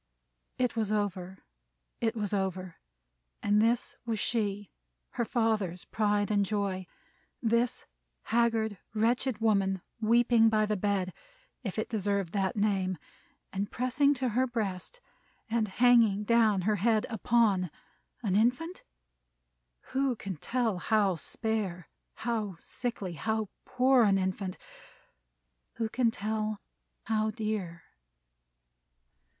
It was over. It was over. And this was she, her father's pride and joy! This haggard, wretched woman, weeping by the bed, if it deserved that name, and pressing to her breast, and hanging down her head upon, an infant? Who can tell how spare, how sickly, and how poor an infant? Who can tell how dear?